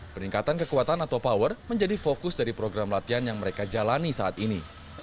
peningkatan kekuatan atau power menjadi fokus dari program latihan yang mereka jalani saat ini